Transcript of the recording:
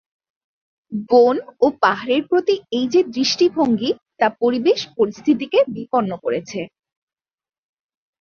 বন ও পাহাড়ের প্রতি এই যে দৃষ্টিভঙ্গি তা পরিবেশ পরিস্থিতিকে বিপন্ন করেছে।